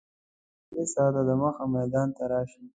مسافر دې درې ساعته دمخه میدان ته راشي.